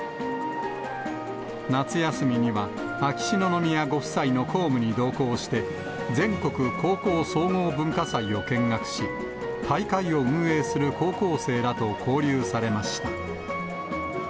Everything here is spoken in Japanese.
夏休みには、秋篠宮ご夫妻の公務に同行して、全国高校総合文化祭を見学し、大会を運営する高校生らと交流されました。